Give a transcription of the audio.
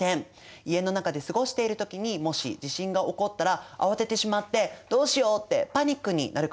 家の中で過ごしている時にもし地震が起こったら慌ててしまってどうしようってパニックになるかもしれないもんね。